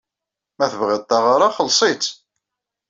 Ma tebɣid taɣara, xelleṣ-itt.